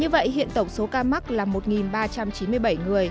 như vậy hiện tổng số ca mắc là một ba trăm chín mươi bảy người